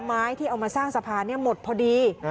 ไม้ที่เอามาสร้างสะพานหมดพอดี